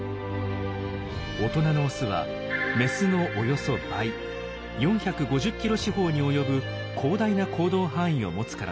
大人のオスはメスのおよそ倍４５０キロ四方に及ぶ広大な行動範囲を持つからです。